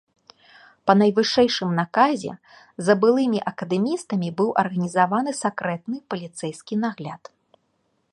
Па найвышэйшым наказе за былымі акадэмістамі быў арганізаваны сакрэтны паліцэйскі нагляд.